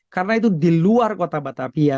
karena itu di luar kota batavia